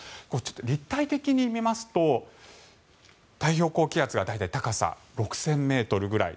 立体的に見ますと太平洋高気圧が大体高さ６０００ｍぐらい。